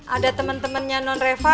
ada temen temennya non reva